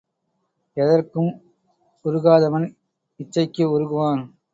எதற்கும் உருகாதவன் இச்சைக்கு உருகுவான்.